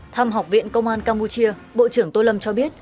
thăm học viện công an campuchia bộ trưởng tô lâm cho biết